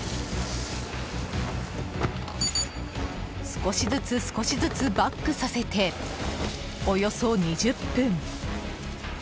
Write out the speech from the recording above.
少しずつ少しずつバックさせておよそ２０分。